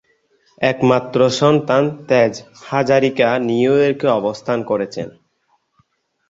একমাত্র সন্তান তেজ হাজারিকা নিউইয়র্কে অবস্থান করছেন।